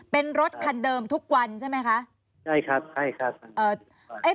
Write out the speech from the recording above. เป็นรถคันเดิมทุกวันใช่ไหมคะใช่ครับใช่ครับเอ่อ